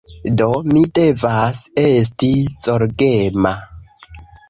Do, mi devas esti zorgema